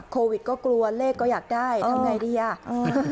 โควิดก็กลัวเลขก็อยากได้ทำไงดีอ่ะ